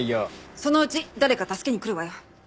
そのうち誰か助けに来るわよ。